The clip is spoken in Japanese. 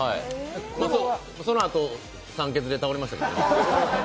そのあと酸欠で倒れましたけど。